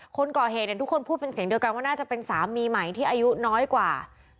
คนก่อเหตุทุกคนพูดเป็นเสียงเดียวกันว่าน่าจะเป็นสามีใหม่ที่อายุน้อยกว่า